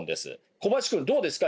小林くんどうですか？